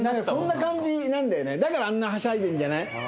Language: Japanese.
そんな感じなんだよねだからあんなはしゃいでんじゃない？